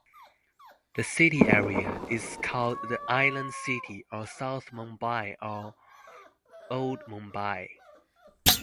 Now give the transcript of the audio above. The city area is called the "island city" or South Mumbai or Old Mumbai.